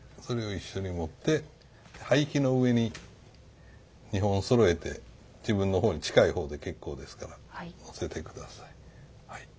それを一緒に持って灰器の上に２本そろえて自分の方に近い方で結構ですからのせて下さい。